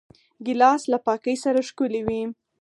ګیلاس له پاکۍ سره ښکلی وي.